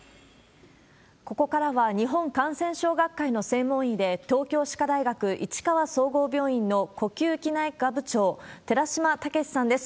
ここからは、日本感染症学会の専門医で、東京歯科大学市川総合病院の呼吸器内科部長、寺嶋毅さんです。